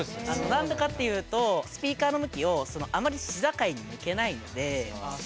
何でかっていうとスピーカーの向きをあまり市境に向けないので。